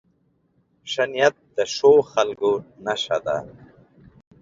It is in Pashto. ښه نیت د ښو خلکو نښه ده.